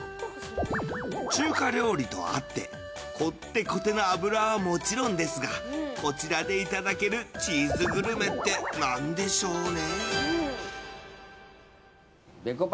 中華料理とあってこってこての脂はもちろんですがこちらでいただけるチーズグルメって何でしょうね？